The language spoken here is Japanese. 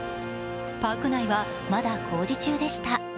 パーク内はまだ工事中でした。